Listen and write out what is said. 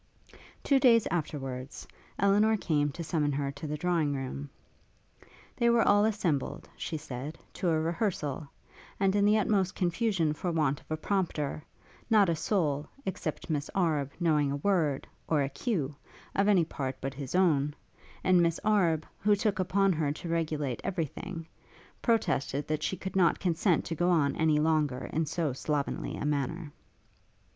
Two days afterwards, Elinor came to summon her to the drawing room. They were all assembled, she said, to a rehearsal, and in the utmost confusion for want of a prompter, not a soul, except Miss Arbe, knowing a word, or a cue, of any part but his own; and Miss Arbe, who took upon her to regulate every thing, protested that she could not consent to go on any longer in so slovenly a manner.